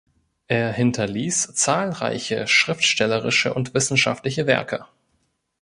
Er hinterließ zahlreiche schriftstellerische und wissenschaftliche Werke.